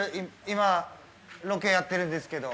今ロケやってるんですけど